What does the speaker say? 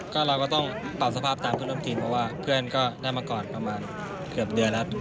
ก็เราก็ต้องปรับสภาพตามเพื่อนร่วมทีมเพราะว่าเพื่อนก็ได้มาก่อนประมาณเกือบเดือนแล้ว